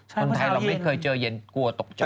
คนไทยเราไม่เคยเจอเย็นกลัวตกใจ